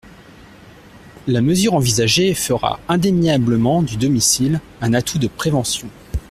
La mesure envisagée fera indéniablement du domicile un atout de prévention.